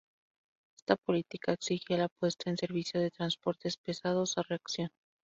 Esta política exigía la puesta en servicio de transportes pesados a reacción.